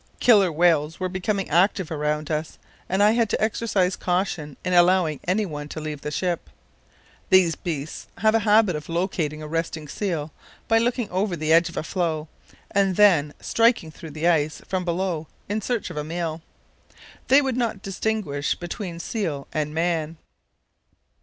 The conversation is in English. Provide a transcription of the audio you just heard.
Killer whales were becoming active around us, and I had to exercise caution in allowing any one to leave the ship. These beasts have a habit of locating a resting seal by looking over the edge of a floe and then striking through the ice from below in search of a meal; they would not distinguish between seal and man.